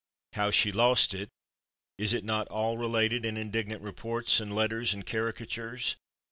How she lost it is it not all related in indignant reports and letters and caricatures?